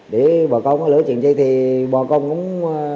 để bà con có lỡ chuyện đây thì bà con cũng